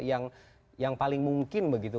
yang paling mungkin begitu